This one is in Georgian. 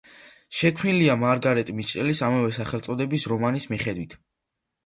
შექმნილია მარგარეტ მიტჩელის ამავე სახელწოდების რომანის მიხედვით.